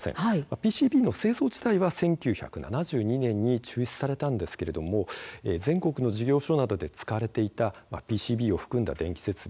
ＰＣＢの製造自体は１９７２年に中止されたんですけれども全国の事業所などで使われていたＰＣＢを含んだ電気設備